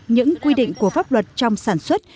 những quy định của pháp luật trong sản xuất